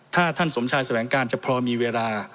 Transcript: ถ้าท่านสมชายแสวงการจะพอมีเวลา